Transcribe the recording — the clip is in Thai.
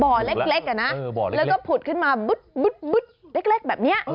บ่อเล็กแล้วก็ผุดขึ้นมาบึ๊ดเล็กแบบนี้